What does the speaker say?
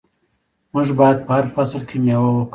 موږ باید په هر فصل کې میوه وکرو.